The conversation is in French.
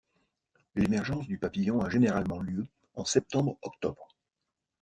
L'émergence du papillon a généralement lieu en septembre-octobre.